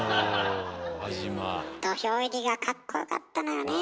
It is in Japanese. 土俵入りがかっこよかったのよね。